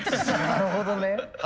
なるほどね。